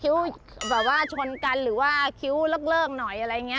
แบบว่าชนกันหรือว่าคิ้วเลิกหน่อยอะไรอย่างนี้